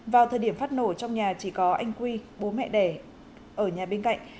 vào thời điểm phát nổ trong nhà chỉ có anh quy bố mẹ đẻ ở nhà bên cạnh